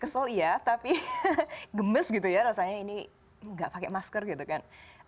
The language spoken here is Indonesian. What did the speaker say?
kesel iya tapi gemes gitu ya rasanya ini nggak pakai masker gitu kan